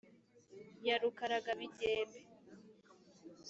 ya rukaragabigembe;